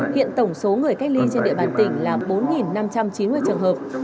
hiện tổng số người cách ly trên địa bàn tỉnh là bốn năm trăm chín mươi trường hợp